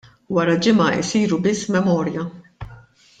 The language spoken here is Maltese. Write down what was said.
Wara ġimgħa jsiru biss memorja.